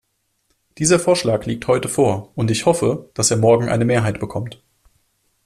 Dieser Vorschlag liegt heute vor, und ich hoffe, dass er morgen eine Mehrheit bekommt.